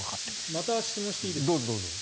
また質問していいですか。